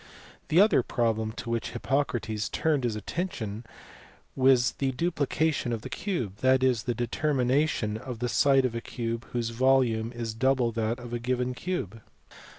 The other problem to which Hippocrates turned his atten tion was the duplication of the cube, that is, the determination of the side of a cube whose volume is double that of a given cube.